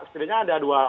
setidaknya ada dua